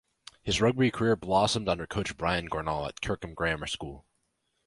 His rugby career blossomed under coach Brian Gornall at Kirkham Grammar School.